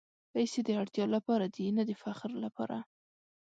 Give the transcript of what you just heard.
پېسې د اړتیا لپاره دي، نه د فخر لپاره.